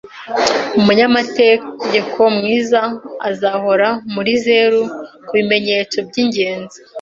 Umunyamategeko mwiza azahora muri zeru kubimenyetso byingenzi.